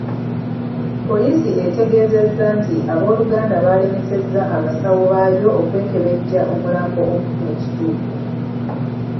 Poliisi etegeezezza nti ab'oluganda baalemesezza abasawo baayo okwekebejja omulambo okufuna ekituufu.